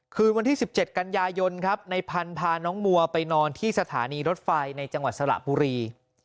คืนวันที่๑๗กันยายนครับในพันธุ์พาน้องมัวไปนอนที่สถานีรถไฟในจังหวัดสระบุรี